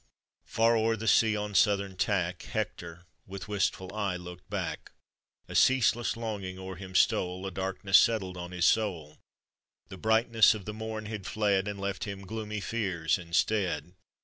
Far o'er the sea on southern tack, Hector with wistful eye looked back, A ceaseless longing o'er him stole, A darkness settled on his soul. The brightness of the morn had fled, And left him gloomy fears,, instead.